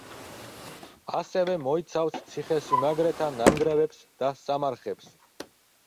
ასევე მოიცავს ციხე სიმაგრეთა ნანგრევებს და სამარხებს.